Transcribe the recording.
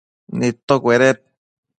nidtocueded